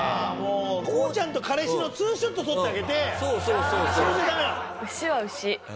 こうちゃんと彼氏のツーショット撮ってあげてそれじゃダメなの？